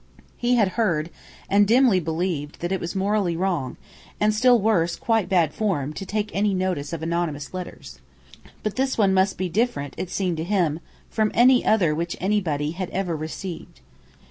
He had heard, and dimly believed, that it was morally wrong, and, still worse, quite bad form, to take notice of anonymous letters. But this one must be different, it seemed to him, from any other which anybody had ever received.